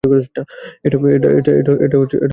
এটা কিভাবে সম্ভব?